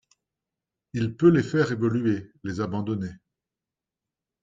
Il peut les faire évoluer, les abandonner